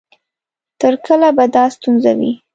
تر کله به دا ستونزه وي؟